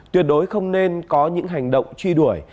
tuyệt đối không nên có những hành động truy đuổi